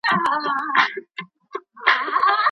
د جرګي په جریان کي به د هیواد د پرمختګ لپاره مشوري کيدلي.